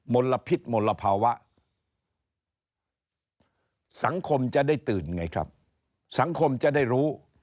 ลพิษมลภาวะสังคมจะได้ตื่นไงครับสังคมจะได้รู้